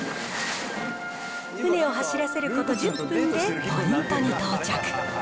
船を走らせること１０分で、ポイントに到着。